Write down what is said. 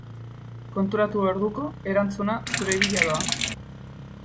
Konturatu orduko, erantzuna zure bila doa.